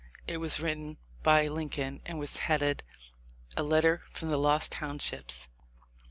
It was written by Lincoln and was headed : A letter from the Lost Townships.